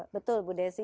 betul bu desi